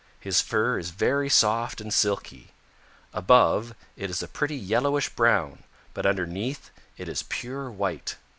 His fur is very soft and silky. Above, it is a pretty yellowish brown, but underneath it is pure white.